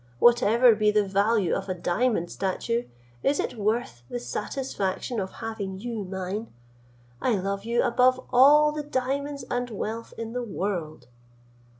Whatever be the value of a diamond statue, is it worth the satisfaction of having you mine? I love you above all the diamonds and wealth in the world."